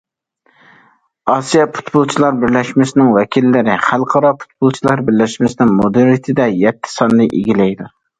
ئاسىيا پۇتبولچىلار بىرلەشمىسىنىڭ ۋەكىللىرى خەلقئارا پۇتبولچىلار بىرلەشمىسىنىڭ مۇدىرىيىتىدە يەتتە ساننى ئىگىلەيدۇ.